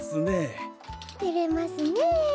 てれますねえ。